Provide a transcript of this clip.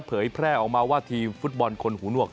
เผยแพร่ออกมาว่าทีมฟุตบอลคนหูนวก